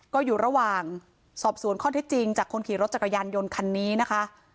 ก็อยู่ระหว่างสอบสวนข้อเท็จจริงจากคนขี่รถจักรยานยนต์คันนี้นะคะ